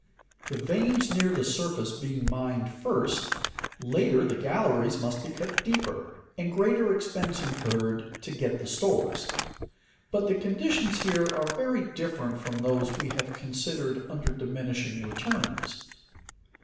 The veins near the surface being mined first, later the galleries must be cut deeper and greater expense incurred to get the stores. But the conditions here are very different from those we have considered under diminishing returns.